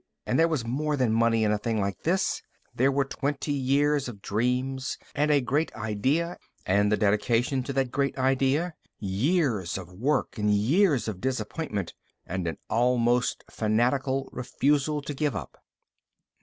And there was more than money in a thing like this there were twenty years of dreams and a great idea and the dedication to that great idea years of work and years of disappointment and an almost fanatical refusal to give up.